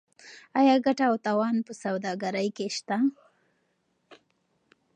آیا ګټه او تاوان په سوداګرۍ کې شته؟